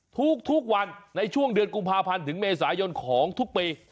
ทุกวันในช่วงเดือนกุมภาพันธ์ถึงเมษายนของทุกปี